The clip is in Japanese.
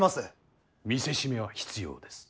見せしめは必要です。